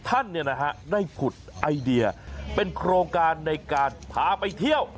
ท่านได้ผุดไอเดียเป็นโครงการในการพาไปเที่ยว